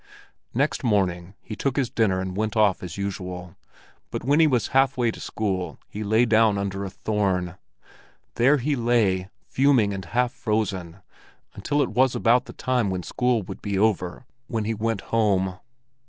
Next morning he took his dinner and went off as usual, but when he was halfway to school he lay down under a thorn. There he lay, fuming and half frozen, until it was about the time when school would be over, when he went home.